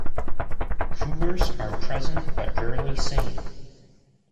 Cougars are present but rarely seen.